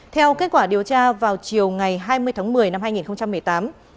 theo kết quả điều tra vào chiều ngày hai mươi tháng một mươi năm hai nghìn một mươi tám